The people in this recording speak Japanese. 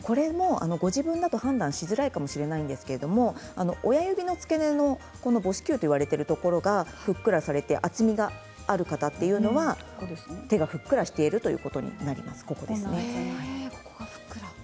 ご自分だと判断しづらいと思うんですが親指の付け根の母指球と言われているところがふっくらされて、厚みがある方は手がふっくらしているということになります。